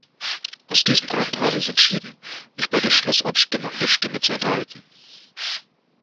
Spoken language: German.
Aus diesem Grund habe ich entschieden, mich bei der Schlussabstimmung der Stimme zu enthalten.